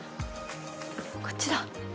こっちだ。